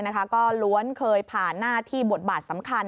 ก็ล้วนเคยผ่านหน้าที่บทบาทสำคัญ